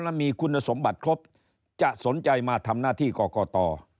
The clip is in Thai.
และมีคุณสมบัติครบจะสนใจมาทำหน้าที่กรกต